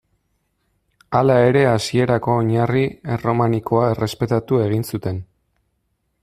Hala ere hasierako oinarri erromanikoa errespetatu egin zuten.